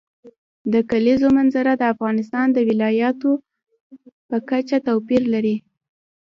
د کلیزو منظره د افغانستان د ولایاتو په کچه توپیر لري.